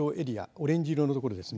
オレンジ色のところです。